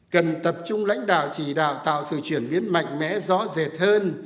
cần tập trung lãnh đạo chỉ đạo tạo sự chuyển biến mạnh mẽ rõ rệt hơn